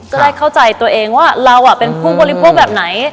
ได้เข้าใจตัวเองว่าเราเป็นผู้บริโภคแบบไหน